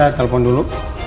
saya telpon dulu